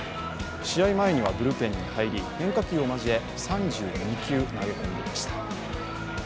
試合前にはブルペンに入り、変化球を交え、３２球投げ込んでいました。